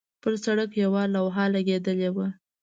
پر سړک یوه لوحه لګېدلې وه.